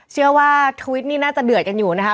เชื่อว่าทวิตนี้น่าจะเดือดกันอยู่นะคะ